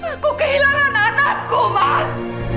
aku kehilangan anakku mas